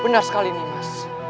benar sekali nimas